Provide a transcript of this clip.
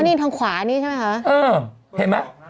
นี่ทางขวานี่ใช่ไหมคะเออเห็นไหม